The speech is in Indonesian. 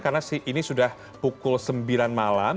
karena ini sudah pukul sembilan malam